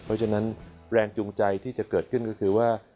เพราะฉะนั้นแรงจูงใจที่จะเกิดขึ้นก็คือว่า